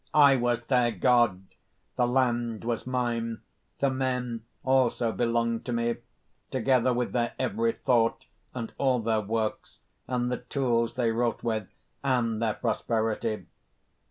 I was their God! The land was mine; the men also belonged to me, together with their every thought, and all their works, and the tools they wrought with, and their prosperity.